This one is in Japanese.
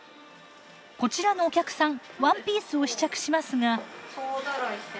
こちらのお客さんワンピースを試着しますが。